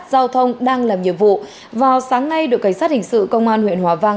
giao thông đang làm nhiệm vụ vào sáng nay đội cảnh sát hình sự công an huyện hòa vang